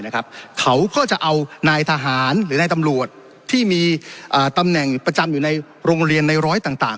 เขาก็จะเอานายทหารหรือนายตำรวจที่มีตำแหน่งประจำอยู่ในโรงเรียนในร้อยต่าง